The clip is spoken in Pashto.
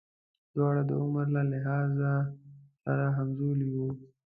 دواړه د عمر له لحاظه سره همزولي وو.